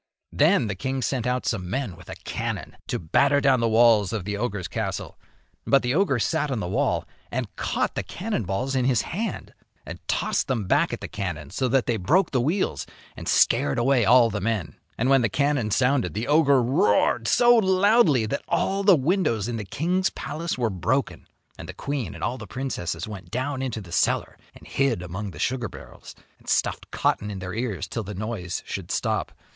Then the king sent out some men with a cannon to batter down the walls of the ogre's castle. But the ogre sat on the wall and caught the cannon balls in his hand and tossed them back at the cannon, so that they broke the wheels and scared away all the men. And when the cannon sounded the ogre roared so loudly that all the windows in the king's palace were broken, and the queen and all the princesses went down into the cellar and hid among the sugar barrels, and stuffed cotton in their ears till the noise should stop.